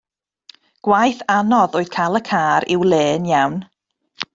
Gwaith anodd oedd cael y car i'w le yn iawn.